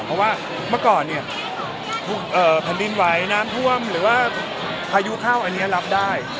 เพราะว่าเมื่อก่อนเนี่ยแผ่นดินไหวน้ำท่วมหรือว่าพายุเข้าอันนี้รับได้